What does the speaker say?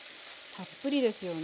たっぷりですよね。